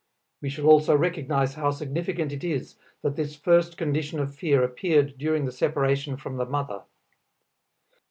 We shall also recognize how significant it is that this first condition of fear appeared during the separation from the mother.